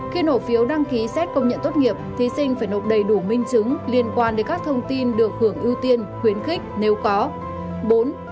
khi nộp phiếu đăng ký xét công nhận tốt nghiệp thí sinh phải nộp đầy đủ minh chứng liên quan đến các thông tin được hưởng ưu tiên khuyến khích nếu có